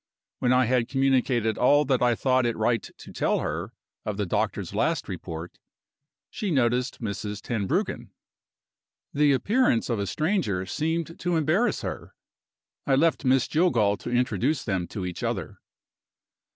When I had communicated all that I thought it right to tell her of the doctor's last report, she noticed Mrs. Tenbruggen. The appearance of a stranger seemed to embarrass her. I left Miss Jillgall to introduce them to each other.